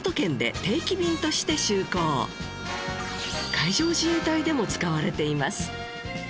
海上自衛隊でも使われています。